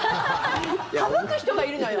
はぶく人がいるのよ。